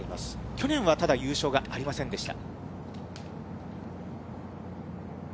去年はただ、優勝がありませんでした。